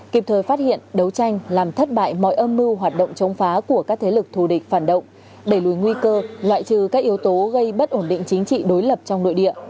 kịp thời phát hiện đấu tranh làm thất bại mọi âm mưu hoạt động chống phá của các thế lực thù địch phản động đẩy lùi nguy cơ loại trừ các yếu tố gây bất ổn định chính trị đối lập trong nội địa